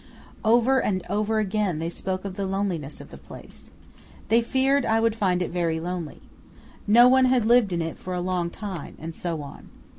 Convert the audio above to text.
Over and over again they spoke of the loneliness of the place. They feared I would find it very lonely. No one had lived in it for a long time, and so on.